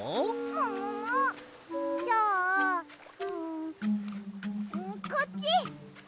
ももも！？じゃあんこっち！